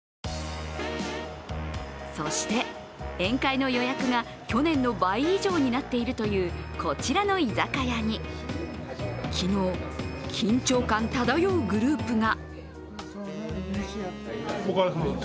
そして、宴会の予約が去年の倍以上になっているというこちらの居酒屋に昨日、緊張感漂うグループが。